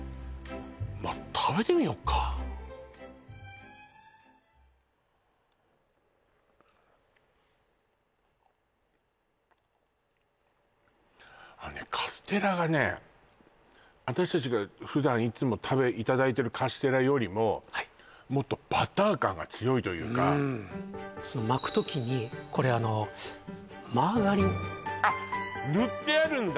まあ食べてみよっかあのねカステラがね私たちが普段いつもいただいてるカステラよりももっとバター感が強いというか巻く時にこれあのマーガリンあっ塗ってあるんだ